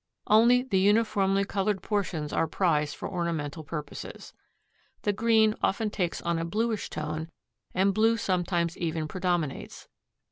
Only the uniformly colored portions are prized for ornamental purposes. The green often takes on a bluish tone and blue sometimes even predominates.